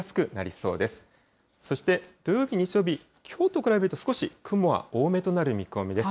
そして土曜日、日曜日、きょうと比べると少し雲は多めとなる見込みです。